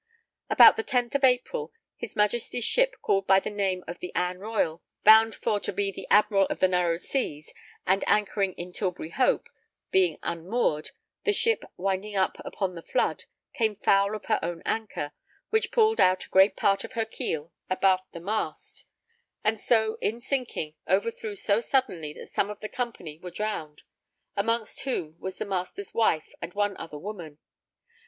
About the 10th of April, his Majesty's ship called by the name of the Anne Royal, bound for to be Admiral of the narrow seas, and anchoring in Tilbury Hope, being unmoored, the ship winding up upon the flood, came foul of her own anchor, which pulled out a great part of her keel abaft the mast; and so, in sinking, overthrew so suddenly that some of the company were drowned, amongst whom was the master's wife and one other woman.